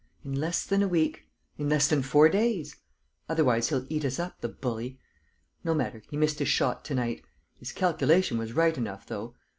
in less than a week ... in less than four days! ... Otherwise he'll eat us up, the bully! ... No matter, he missed his shot to night. ... His calculation was right enough, though